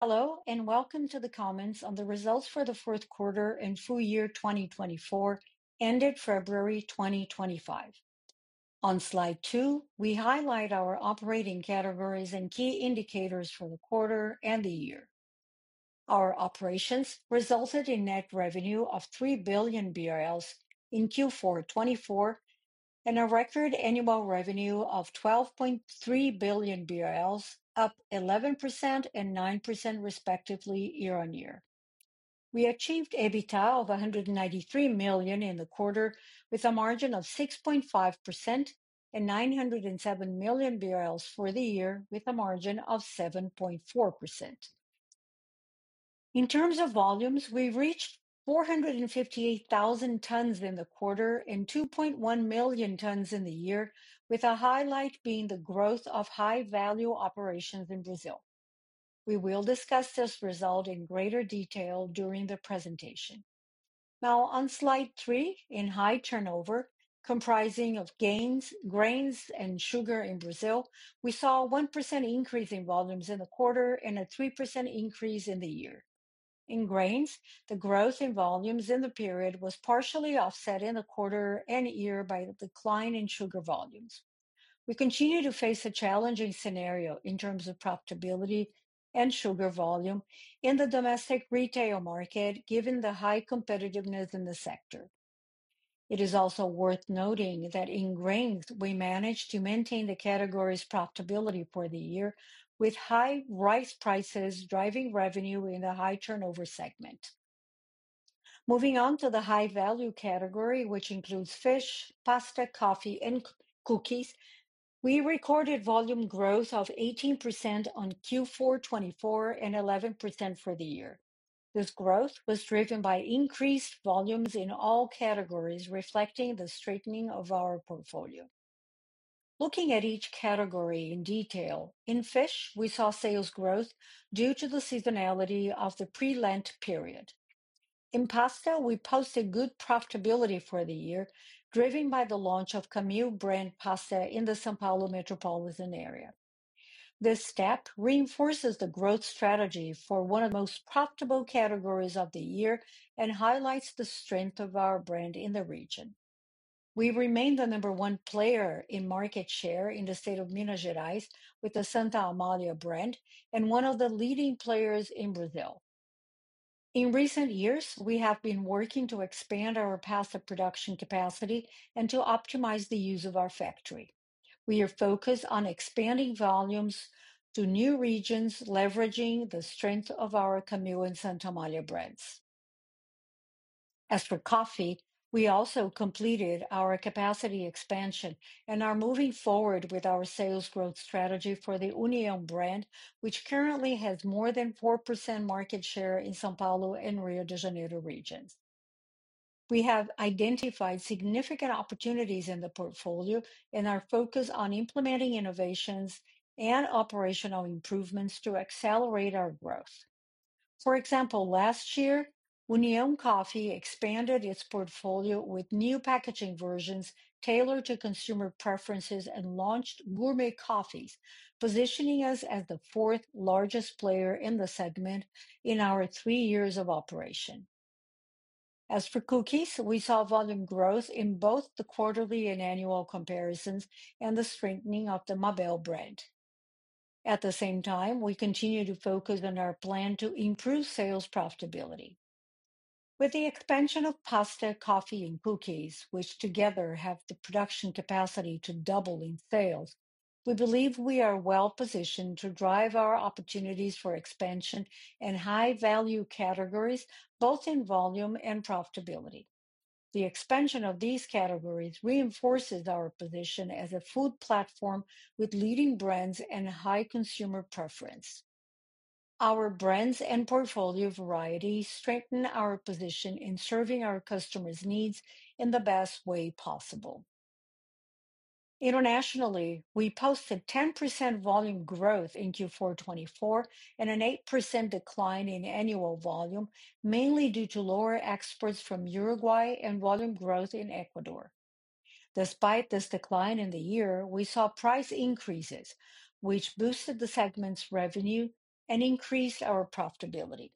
Hello, and welcome to the comments on the results for the Q4 and full year 2024, ended February 2025. On slide two, we highlight our operating categories and key indicators for the quarter and the year. Our operations resulted in net revenue of 3 billion BRL in Q4 2024 and a record annual revenue of 12.3 billion BRL, up 11% and 9% respectively year on year. We achieved EBITDA of 193 million in the quarter, with a margin of 6.5% and 907 million for the year, with a margin of 7.4%. In terms of volumes, we reached 458,000 tons in the quarter and 2.1 million tons in the year, with a highlight being the growth of high-value operations in Brazil. We will discuss this result in greater detail during the presentation. Now, on slide three, in High Turnover, comprising of grains and sugar in Brazil, we saw a 1% increase in volumes in the quarter and a 3% increase in the year. In grains, the growth in volumes in the period was partially offset in the quarter and year by the decline in sugar volumes. We continue to face a challenging scenario in terms of profitability and sugar volume in the domestic retail market, given the high competitiveness in the sector. It is also worth noting that in grains, we managed to maintain the category's profitability for the year, with high rice prices driving revenue in the High Turnover segment. Moving on to the High-Value category, which includes fish, pasta, coffee, and cookies, we recorded volume growth of 18% on Q4 2024 and 11% for the year. This growth was driven by increased volumes in all categories, reflecting the strengthening of our portfolio. Looking at each category in detail, in fish, we saw sales growth due to the seasonality of the pre-Lent period. In pasta, we posted good profitability for the year, driven by the launch of Camil brand pasta in the São Paulo metropolitan area. This step reinforces the growth strategy for one of the most profitable categories of the year and highlights the strength of our brand in the region. We remain the number one player in market share in the state of Minas Gerais, with the Santa Amália brand, and one of the leading players in Brazil. In recent years, we have been working to expand our pasta production capacity and to optimize the use of our factory. We are focused on expanding volumes to new regions, leveraging the strength of our Camil and Santa Amália brands. As for coffee, we also completed our capacity expansion and are moving forward with our sales growth strategy for the União brand, which currently has more than 4% market share in São Paulo and Rio de Janeiro regions. We have identified significant opportunities in the portfolio and are focused on implementing innovations and operational improvements to accelerate our growth. For example, last year, União Coffee expanded its portfolio with new packaging versions tailored to consumer preferences and launched gourmet coffees, positioning us as the fourth largest player in the segment in our three years of operation. As for cookies, we saw volume growth in both the quarterly and annual comparisons and the strengthening of the Mabel brand. At the same time, we continue to focus on our plan to improve sales profitability. With the expansion of pasta, coffee, and cookies, which together have the production capacity to double in sales, we believe we are well positioned to drive our opportunities for expansion and high-value categories, both in volume and profitability. The expansion of these categories reinforces our position as a food platform with leading brands and high consumer preference. Our brands and portfolio variety strengthen our position in serving our customers' needs in the best way possible. Internationally, we posted 10% volume growth in Q4 2024 and an 8% decline in annual volume, mainly due to lower exports from Uruguay and volume growth in Ecuador. Despite this decline in the year, we saw price increases, which boosted the segment's revenue and increased our profitability.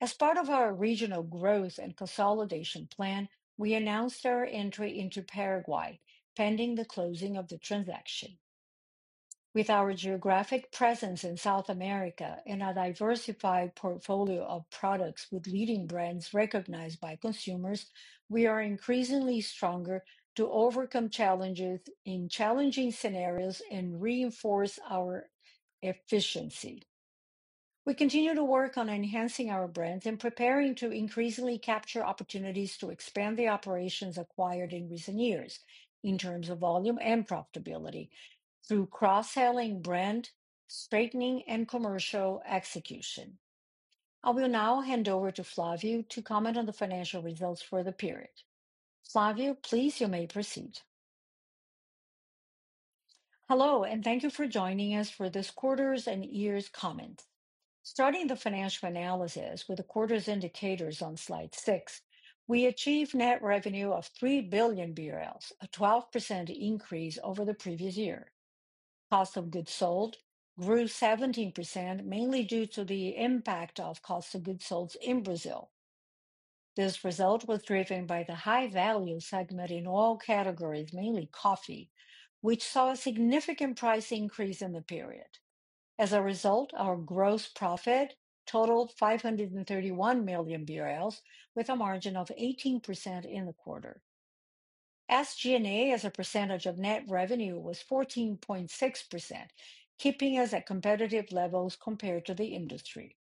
As part of our regional growth and consolidation plan, we announced our entry into Paraguay, pending the closing of the transaction. With our geographic presence in South America and a diversified portfolio of products with leading brands recognized by consumers, we are increasingly stronger to overcome challenges in challenging scenarios and reinforce our efficiency. We continue to work on enhancing our brands and preparing to increasingly capture opportunities to expand the operations acquired in recent years in terms of volume and profitability through cross-selling brand straightening and commercial execution. I will now hand over to Flávio to comment on the financial results for the period. Flávio, please, you may proceed. Hello, and thank you for joining us for this quarter's and year's comments. Starting the financial analysis with the quarter's indicators on slide six, we achieved net revenue of 3 billion BRL, a 12% increase over the previous year. Cost of Goods Sold grew 17%, mainly due to the impact of cost of goods sold in Brazil. This result was driven by the High-Value segment in all categories, mainly coffee, which saw a significant price increase in the period. As a result, our Gross Profit totaled 531 million BRL, with a margin of 18% in the quarter. SG&A as a percentage of Net Revenue was 14.6%, keeping us at competitive levels compared to the industry.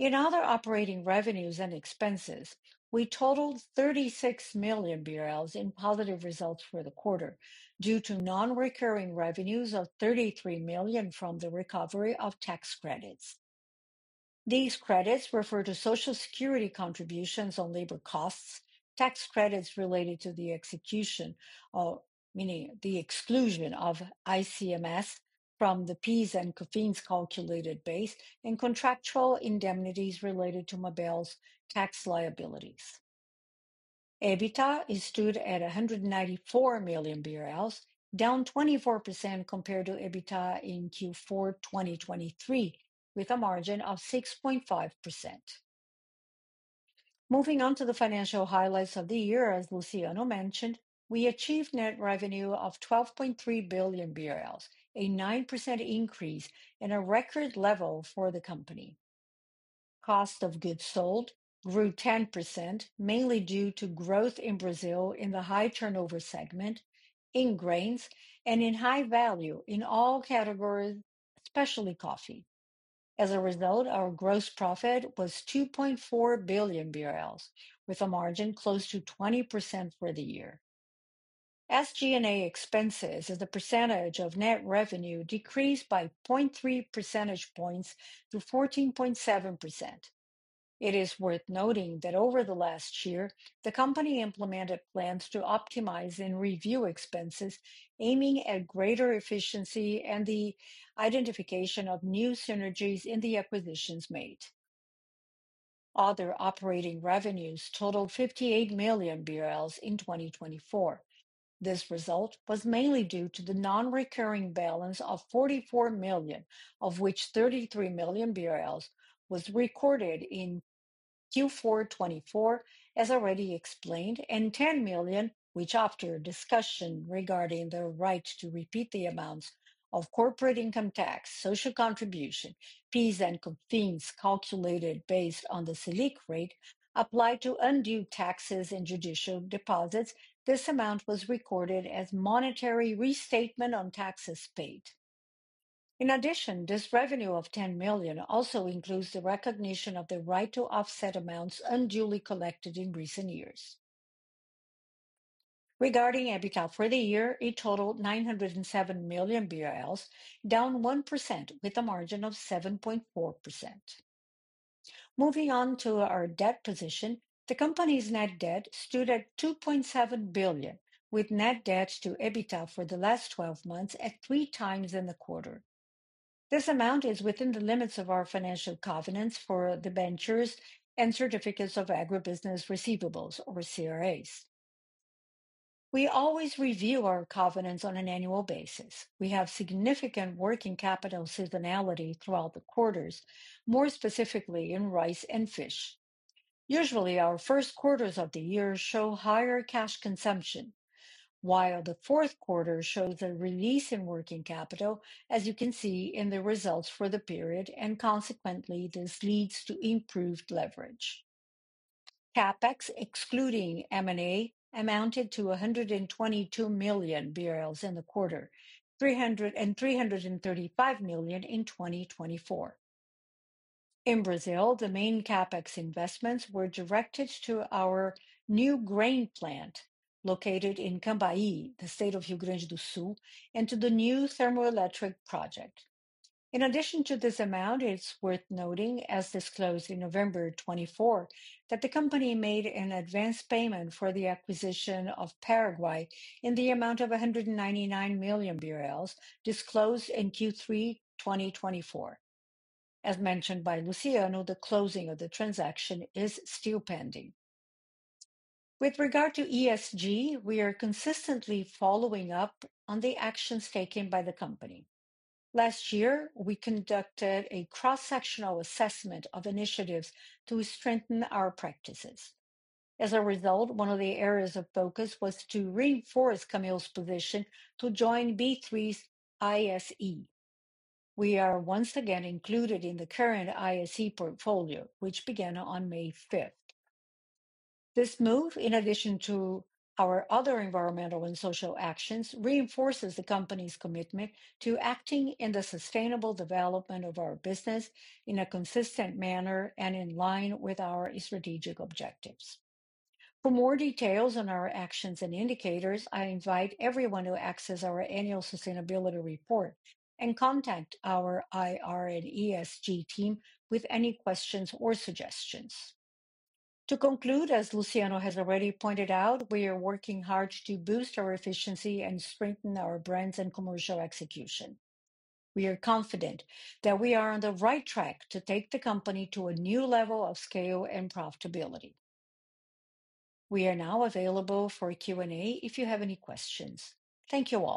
In other operating revenues and expenses, we totaled 36 million BRL in positive results for the quarter due to non-recurring revenues of 33 million from the recovery of tax credits. These credits refer to Social Security contributions on labor costs, tax credits related to the exclusion, meaning the exclusion of ICMS from the PIS and COFINS calculated base, and contractual indemnities related to Mabel's tax liabilities. EBITDA is stood at 194 million BRL, down 24% compared to EBITDA in Q4 2023, with a margin of 6.5%. Moving on to the financial highlights of the year, as Luciano mentioned, we achieved Net Revenue of 12.3 billion BRL, a 9% increase in a record level for the company. Cost of Goods Sold grew 10%, mainly due to growth in Brazil in the High Turnover segment, in grains, and in High-Value in all categories, especially coffee. As a result, our Gross Profit was 2.4 billion BRL, with a margin close to 20% for the year. SG&A expenses as a percentage of Net Revenue decreased by 0.3 percentage points to 14.7%. It is worth noting that over the last year, the company implemented plans to optimize and review expenses, aiming at greater efficiency and the identification of new synergies in the acquisitions made. Other operating revenues totaled 58 million BRL in 2024. This result was mainly due to the non-recurring balance of 44 million, of which 33 million BRL was recorded in Q4 2024, as already explained, and 10 million, which, after discussion regarding the right to repeat the amounts of corporate income tax, social contribution, PIS, and COFINS calculated based on the SELIC rate, applied to undue taxes and judicial deposits, this amount was recorded as monetary restatement on taxes paid. In addition, this revenue of 10 million also includes the recognition of the right to offset amounts unduly collected in recent years. Regarding EBITDA for the year, it totaled 907 million BRL, down 1%, with a margin of 7.4%. Moving on to our debt position, the company's net debt stood at 2.7 billion, with net debt to EBITDA for the last 12 months at three times in the quarter. This amount is within the limits of our financial covenants for the debentures and certificates of agribusiness receivables, or CRAs. We always review our covenants on an annual basis. We have significant working capital seasonality throughout the quarters, more specifically in rice and fish. Usually, our Q1s of the year show higher cash consumption, while the Q4 shows a release in working capital, as you can see in the results for the period, and consequently, this leads to improved leverage. CAPEX, excluding M&A, amounted to 122 million in the quarter and 335 million in 2024. In Brazil, the main CAPEX investments were directed to our new grain plant located in Camaquã, the state of Rio Grande do Sul, and to the new thermoelectric project. In addition to this amount, it's worth noting, as disclosed in November 2024, that the company made an advance payment for the acquisition in Paraguay in the amount of 199 million BRL disclosed in Q3 2024. As mentioned by Luciano, the closing of the transaction is still pending. With regard to ESG, we are consistently following up on the actions taken by the company. Last year, we conducted a cross-sectional assessment of initiatives to strengthen our practices. As a result, one of the areas of focus was to reinforce Camil's position to join B3's ISE. We are once again included in the current ISE portfolio, which began on May 5th. This move, in addition to our other environmental and social actions, reinforces the company's commitment to acting in the sustainable development of our business in a consistent manner and in line with our strategic objectives. For more details on our actions and indicators, I invite everyone to access our annual sustainability report and contact our IR and ESG team with any questions or suggestions. To conclude, as Luciano has already pointed out, we are working hard to boost our efficiency and strengthen our brands and commercial execution. We are confident that we are on the right track to take the company to a new level of scale and profitability. We are now available for Q&A if you have any questions. Thank you all.